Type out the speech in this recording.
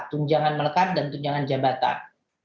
tunjangan melekat dan tunjangan jabatan